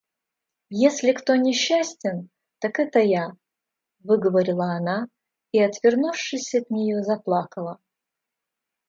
Если кто несчастен, так это я, — выговорила она и, отвернувшись от нее, заплакала.